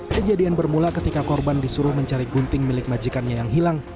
kejadian bermula ketika korban disuruh mencari gunting milik majikannya yang hilang